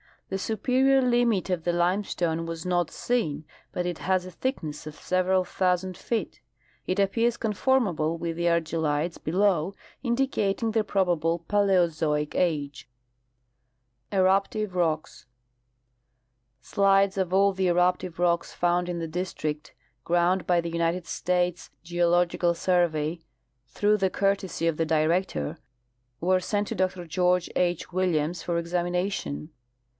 The superior limit of the lime stone was not seen, but it has a thickness of several thousand feet. It appears conformal)le with the argillHes below, indicating their probable Paleozoic age. !l— Nat. CiEOfi. Mac , voi,. IV, ISIIl'. If 60 H. F. Picid — Studies of Muir Glacier. Eruptive Rockh. Slides of all the eruptive rocks found in the district, ground by the United States Geological Survey, through the courtesy of the director, were sent to Dr George H. Williams for examina tion.